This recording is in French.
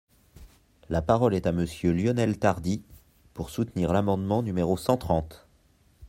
La parole est à Monsieur Lionel Tardy, pour soutenir l’amendement numéro cent trente.